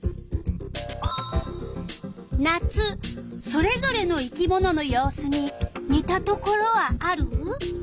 それぞれの生き物の様子ににたところはある？